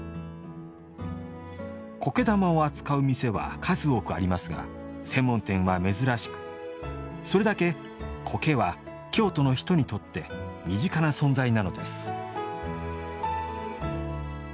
苔玉を扱う店は数多くありますが専門店は珍しくそれだけ苔は、京都の人にとって身近な存在なのです。